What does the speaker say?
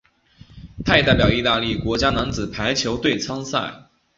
他也代表意大利国家男子排球队参赛。